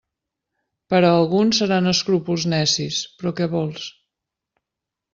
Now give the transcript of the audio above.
Per a alguns seran escrúpols necis, però què vols?